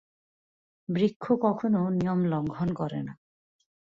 বৃক্ষ কখনও নিয়ম লঙ্ঘন করে না।